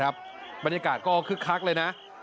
บรรยากาศก็คึกคักเลยนะ